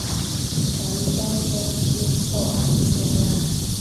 曾东征击破契丹。